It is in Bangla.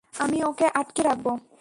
আমি ওকে আটকে রাখবো।